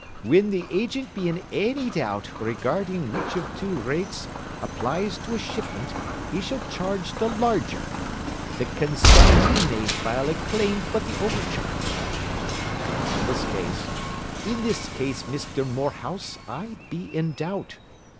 'Whin the agint be in anny doubt regardin' which of two rates applies to a shipment, he shall charge the larger. The con sign ey may file a claim for the overcharge.' In this case, Misther Morehouse, I be in doubt.